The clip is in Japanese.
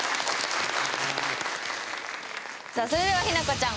さあそれでは日菜子ちゃん。